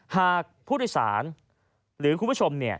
หากผู้่อสารหรือคุณผู้ชมเนี่ย